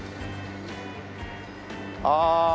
ああ